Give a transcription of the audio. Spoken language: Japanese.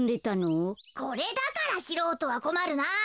これだからしろうとはこまるな。